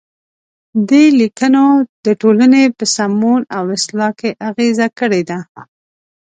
دې لیکنو د ټولنې په سمون او اصلاح کې اغیزه کړې ده.